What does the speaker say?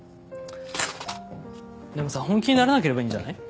でもさ本気にならなければいいんじゃない？